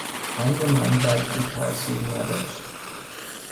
پند من بر او تاءثیر نداشت.